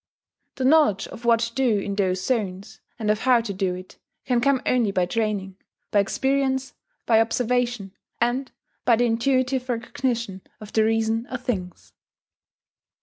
The knowledge of what to do in those zones, and of how to do it, can come only by training, by experience, by observation, and by the intuitive recognition of the reason of things.